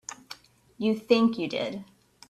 You think you did.